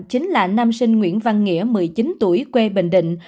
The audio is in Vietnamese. chính là nam sinh nguyễn văn nghĩa một mươi chín tuổi quê bình định